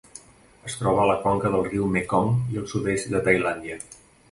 Es troba a la conca del riu Mekong i al sud-est de Tailàndia.